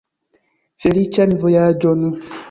Feliĉan vojaĝon!